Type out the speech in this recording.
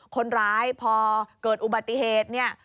คนร้ายพอเกิดอุบัติเหตุเนี่ย